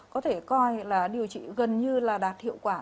có thể coi là điều trị gần như là đạt hiệu quả